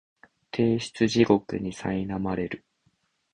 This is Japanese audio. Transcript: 提出地獄にさいなまれる